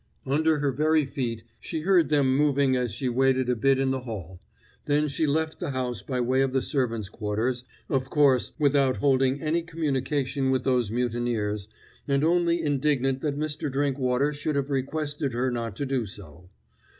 Under her very feet she heard them moving as she waited a bit in the hall; then she left the house by way of the servants' quarters, of course without holding any communication with those mutineers, and only indignant that Mr. Drinkwater should have requested her not to do so.